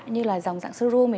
như là dòng dạng serum